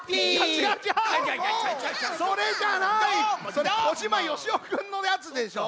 それ小島よしおくんのやつでしょ！